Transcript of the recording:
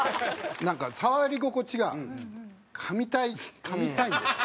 なんか触り心地がかみたいかみたいんです。